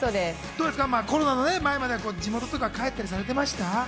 コロナの前までは地元とか帰ったりされてました？